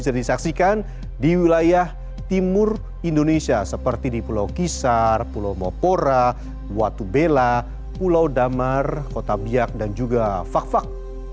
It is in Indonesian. bisa disaksikan di wilayah timur indonesia seperti di pulau kisar pulau mopora watubela pulau damar kota biak dan juga fak fak